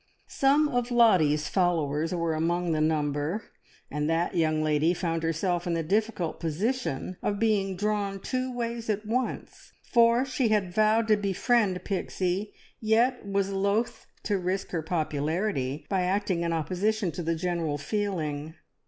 Some of Lottie's followers were among the number, and that young lady found herself in the difficult position of being drawn two ways at once, for she had vowed to befriend Pixie, yet was loth to risk her popularity by acting in opposition to the general feeling.